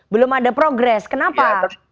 belum ada progress kenapa